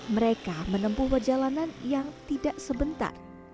mereka menempuh perjalanan yang tidak sebentar